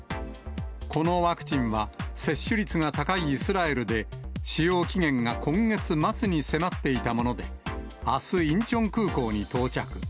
このワクチンは接種率が高いイスラエルで、使用期限が今月末に迫っていたもので、あす、インチョン空港に到着。